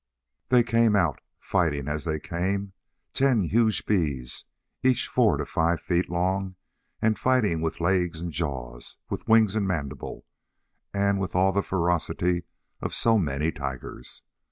They came out, fighting as they came: ten huge bees, each four to five feet long and fighting with legs and jaws, with wing and mandible, and with all the ferocity of so many tigers.